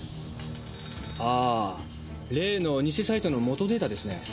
ああ例の偽サイトの元データですね。